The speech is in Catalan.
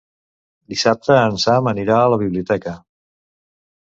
Dissabte en Sam anirà a la biblioteca.